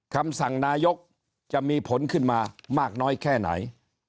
คำสั่งนายกจะมีผลขึ้นมามากน้อยแค่ไหน